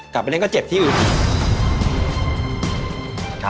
กลับไปเล่นก็เจ็บที่อื่น